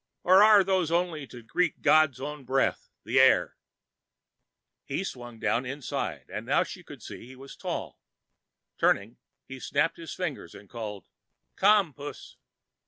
"Or are those only to greet God's own breath, the air?" He swung down inside and now she could see he was tall. Turning, he snapped his fingers and called, "Come, puss."